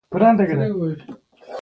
دا ډول مرکبونه تیزابي خاصیت لري.